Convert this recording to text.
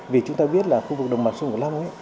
vì chúng ta biết là khu vực đồng mặt sông của lăng ấy